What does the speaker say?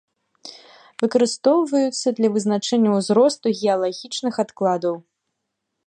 Выкарыстоўваюцца для вызначэння ўзросту геалагічных адкладаў.